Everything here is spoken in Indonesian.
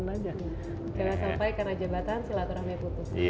jangan sampai karena jabatan silaturahimnya putus